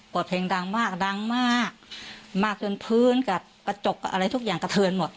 เพลงดังมากดังมากมากจนพื้นกับกระจกอะไรทุกอย่างกระเทินหมด